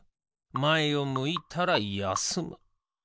まえを向いたらやすむ。